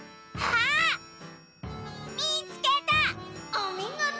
おみごと！